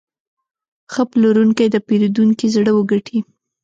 ښه پلورونکی د پیرودونکي زړه وګټي.